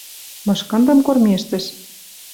Мышкындым кормежтӹш —